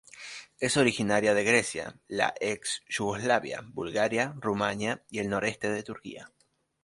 Es originaria de Grecia, la ex Yugoslavia, Bulgaria, Rumania y el noroeste de Turquía.